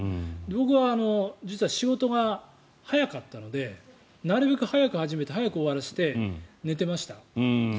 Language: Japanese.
僕は実は仕事が早かったのでなるべく早く始めて早く終わらせて寝ていました。